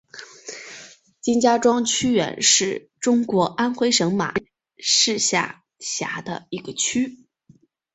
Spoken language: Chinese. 金家庄区原是中国安徽省马鞍山市下辖的一个区。